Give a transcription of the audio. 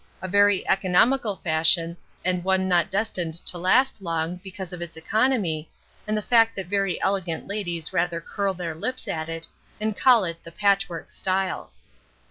A very economical fashion, and one not destined to last long, because of its economy, and the fact that very elegant ladies rather curl their lips at it, and call it the "patchwork style."